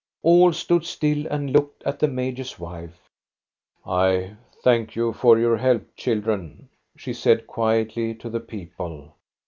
All stood still and looked at the major's wife. " I thank you for your help, children," she said quietly to the people.